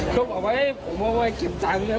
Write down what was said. เขาบอกว่าให้ผมมาเพื่อเก็บเงินครับ